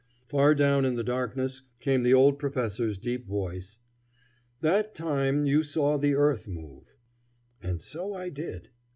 Far down in the darkness came the old professor's deep voice: "That time you saw the earth move." And so I did.